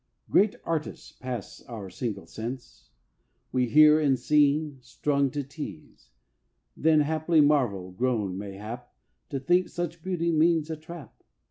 Great artists pass our single sense; We hear in seeing, strung to tense; Then haply marvel, groan mayhap, To think such beauty means a trap.